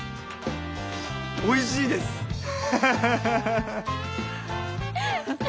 おいしいです！ハハハ！